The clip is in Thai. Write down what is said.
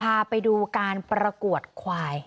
พาไปดูการประกวดควาย